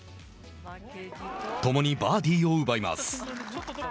ともにバーディーを奪います。